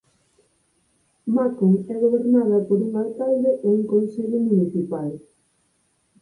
Macon é gobernada por un alcalde e un consello municipal.